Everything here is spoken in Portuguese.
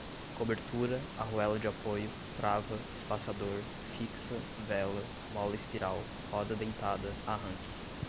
cobertura, arruela de apoio, trava, espaçador, fixa, vela, mola espiral, roda dentada, arranque